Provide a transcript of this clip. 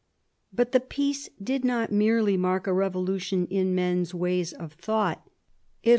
But the peace did not merely mark a revolution in men's ways of thought; it also 40 CHAP.